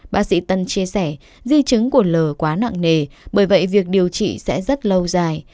bác sĩ tân chia sẻ di chứng của lờ quá nặng nề bởi vậy việc điều trị sẽ rất lâu dài